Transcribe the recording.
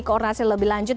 koordinasi lebih lanjut